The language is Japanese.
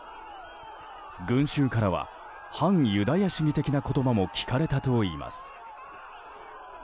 群衆からは反ユダヤ主義的な言葉も聞かれたといいます。